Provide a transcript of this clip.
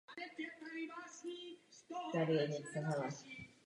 Po dobytí Paříže carem Alexandrem vstoupil do Paříže s ostatními spojenci.